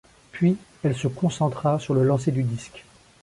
Puis, elle se concentra sur le lancer du disque.